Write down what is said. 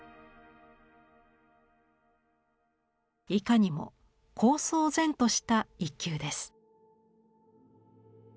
いかにも高僧然とした一休です。